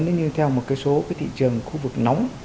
nó như theo một cái số cái thị trường khu vực nóng